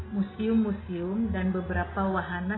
museum museum dan beberapa wahana